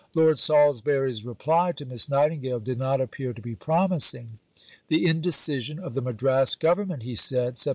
Lord Salisbury's reply to Miss Nightingale did not appear to be promising. "The indecision of the Madras Government," he said (Sept.